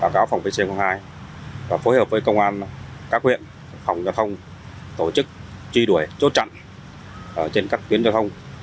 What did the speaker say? công an các huyện phòng trà thông tổ chức truy đuổi chốt trận trên các tuyến trà thông